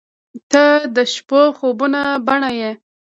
• ته د شپو خوبونو بڼه یې.